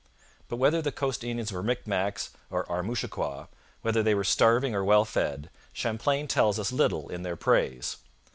But whether the coast Indians were Micmacs or Armouchiquois, whether they were starving or well fed, Champlain tells us little in their praise.